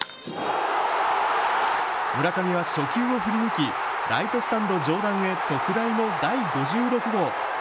村上は初球を振り抜き、ライトスタンド上段へ特大の第５６号。